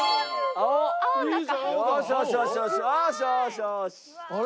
あれ？